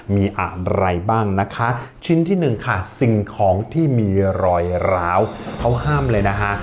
มีอะไรบ้างนะคะชิ้นที่หนึ่งค่ะสิ่งของที่มีรอยร้าวเขาห้ามเลยนะคะ